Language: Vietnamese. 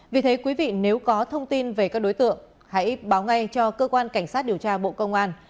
vì thế quý vị nếu có thông tin về các đối tượng hãy báo ngay cho cơ quan cảnh sát điều tra bộ công an